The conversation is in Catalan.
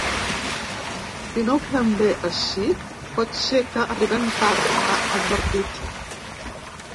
Si no ho fem bé ací pot ser que arribem tard, ha advertit.